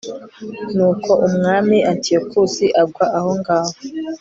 nuko umwami antiyokusi agwa aho ngaho